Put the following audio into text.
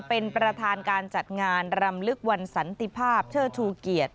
เป็นประธานการจัดงานรำลึกวันสันติภาพเชิดชูเกียรติ